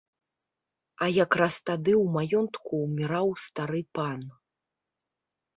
А якраз тады ў маёнтку ўміраў стары пан.